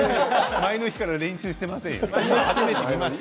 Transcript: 前の日から練習していませんよ